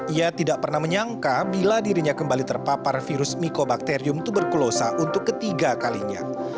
ia tidak pernah menyangka bila dirinya kembali terpapar virus mycobacterium tuberkulosa untuk ketiga kalinya